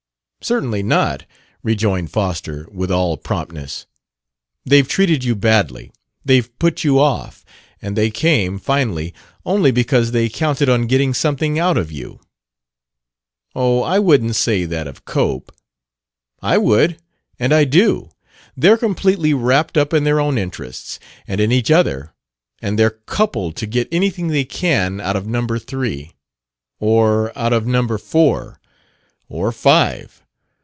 "Certainly not!" rejoined Foster, with all promptness. "They've treated you badly. They've put you off; and they came, finally, only because they counted on getting something out of you. "Oh, I wouldn't say that of Cope." "I would. And I do. They're completely wrapped up in their own interests, and in each other; and they're coupled to get anything they can out of Number Three. Or out of Number Four. Or Five.